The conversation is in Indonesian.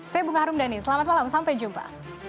saya bunga harumdhani selamat malam sampai jumpa